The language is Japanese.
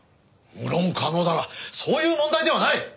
無論可能だがそういう問題ではない！